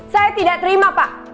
saya tidak terima pak